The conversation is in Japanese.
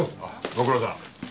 ご苦労さん。